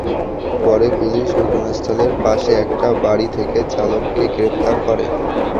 পরে পুলিশ ঘটনাস্থলের পাশে একটি বাড়ি থেকে চালককে গ্রেপ্তার করে।